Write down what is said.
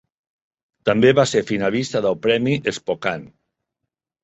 També va ser finalista del premi Spokane.